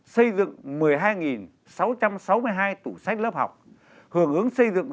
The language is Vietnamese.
xây dựng một mươi hai sáu trăm sáu mươi hai tủ sách lớp học hưởng ứng xây dựng